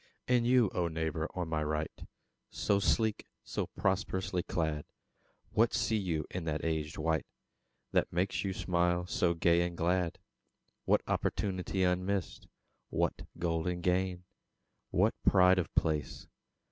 And you, O neighbour on my right So sleek, so prosperously clad! What see you in that aged wight That makes your smile so gay and glad? What opportunity unmissed? What golden gain, what pride of place?